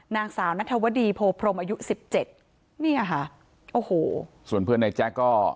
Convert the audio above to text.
นางสาวนัทวดีโพพรมอายุสิบเจ็ดเนี่ยค่ะโอ้โหส่วนเพื่อนในแจ๊กก็